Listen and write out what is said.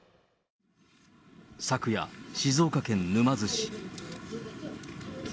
昨夜、静岡県沼津市。